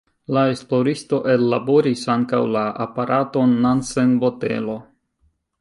La esploristo ellaboris ankaŭ la aparaton Nansen-botelo.